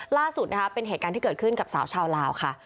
ล่าสุดนะคะเป็นเหตุการณ์ที่เกิดขึ้นกับสาวชาวลาวค่ะ